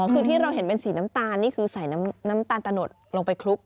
คือที่เราเห็นเป็นสีน้ำตาลนี่คือใส่น้ำตาลตะหนดลงไปคลุก